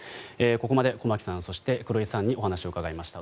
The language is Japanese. ここまで駒木さん、黒井さんにお話をお伺いしました。